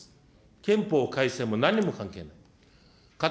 憲法改正も何も関係ない。